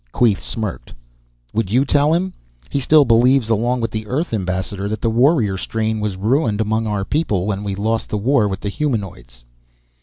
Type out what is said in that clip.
Queeth smirked. "Would you tell him? He still believes along with the Earth ambassador that the warrior strain was ruined among our people when we lost the war with the humanoids."